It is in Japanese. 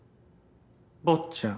坊っちゃん。